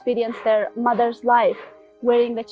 mereka tidak mengalami kehidupan ibu mereka